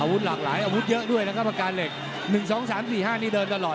อาวุธหลากหลายอาวุธเยอะด้วยนะคะปากการเหล็กหนึ่งสองสามสี่ห้านี่เดินตลอด